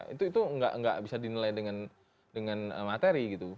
itu tidak bisa dinilai dengan materi